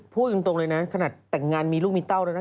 พูดตรงเลยนะขนาดแต่งงานมีลูกมีเต้าแล้วนะ